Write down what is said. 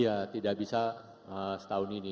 ya tidak bisa setahun ini